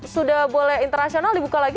sudah boleh internasional dibuka lagi